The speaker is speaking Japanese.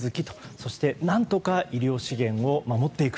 そして何とか医療資源を守っていく。